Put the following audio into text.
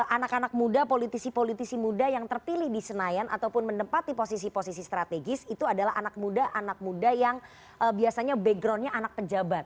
anak anak muda politisi politisi muda yang terpilih di senayan ataupun menempati posisi posisi strategis itu adalah anak muda anak muda yang biasanya backgroundnya anak pejabat